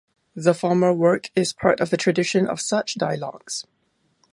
The former work is part of a tradition of such dialogues.